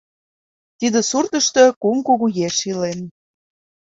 Тиде суртышто кум кугу еш илен.